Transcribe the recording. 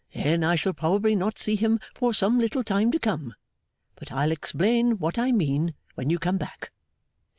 Then I shall probably not see him for some little time to come. But I'll explain what I mean when you come back.